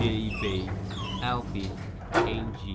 ]. B. ALPINE, N.